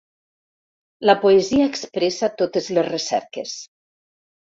La poesia expressa totes les recerques.